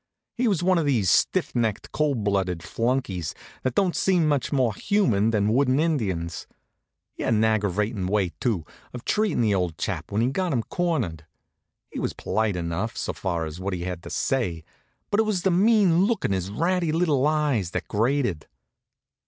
He was one of these stiff necked, cold blooded flunkies, that don't seem much more human than wooden Indians. He had an aggravatin' way, too, of treatin' the old chap when he got him cornered. He was polite enough, so far as what he had to say, but it was the mean look in his ratty little eyes that grated.